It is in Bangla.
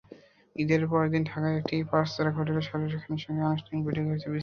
ঈদের পরদিন ঢাকার একটি পাঁচতারকা হোটেলে শাহরিয়ার খানের সঙ্গে অনানুষ্ঠানিক বৈঠক হয়েছে বিসিবির।